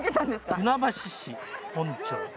船橋市本町。